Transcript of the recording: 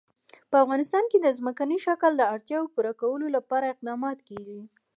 په افغانستان کې د ځمکنی شکل د اړتیاوو پوره کولو لپاره اقدامات کېږي.